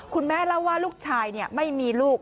คุณแม่เล่าว่าลูกชายไม่มีลูก